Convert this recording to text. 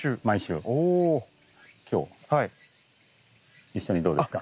今日一緒にどうですか？